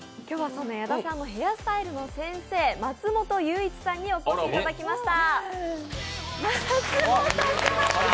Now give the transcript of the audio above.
そんな矢田さんのヘアスタイルの先生、松本祐一さんにお越しいただきました。